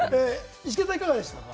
ヒロミさん、いかがでしたか？